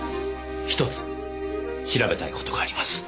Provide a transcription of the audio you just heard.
ひとつ調べたいことがあります。